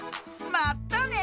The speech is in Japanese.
まったね！